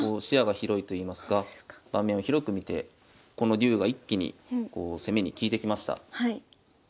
視野が広いといいますか盤面を広く見てこの竜が一気にこう攻めに利いてきました。